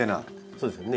そうですよね。